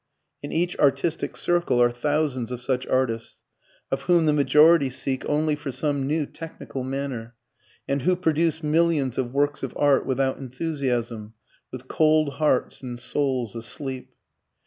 In each artistic circle are thousands of such artists, of whom the majority seek only for some new technical manner, and who produce millions of works of art without enthusiasm, with cold hearts and souls asleep.